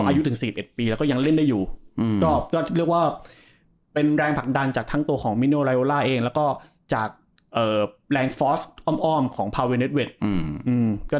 อัยุถึงสิบเอ็ดปีแล้วก็ยังเล่นได้อยู่ก็ก็เรียกว่าเป็นแรงผลักดันจากทั้งตัวของเองแล้วก็